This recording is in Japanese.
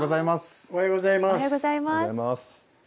おはようございます。